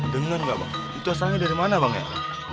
dengan itu saya dari mana banget